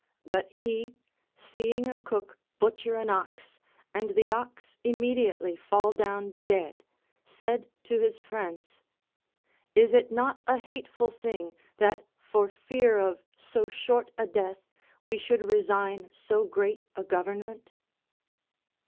But he, seeing a cook butcher an ox and the ox immediately fall down dead, said to his friends : Is it not a hateful thing, that for fear of so short a death we should resign so great a government'?